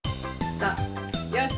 さあよし！